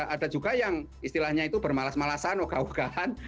ada juga yang istilahnya itu bermalas malasan wogah wogahan